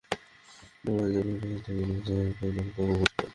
এবার জেফ্রিন হাত তুলল- স্যার ব্যাঙ ধরা তো খুব কঠিন কাজ।